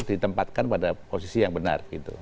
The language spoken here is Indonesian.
ditempatkan pada posisi yang benar